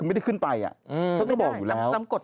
คือไม่ได้ขึ้นไปอะเขาก็บอกอยู่แล้ว